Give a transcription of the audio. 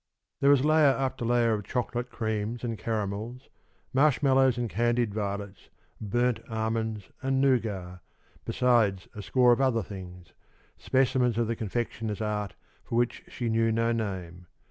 There was layer after layer of chocolate creams and caramels, marshmallows and candied violets, burnt almonds and nougat, besides a score of other things specimens of the confectioner's art for which she knew no name.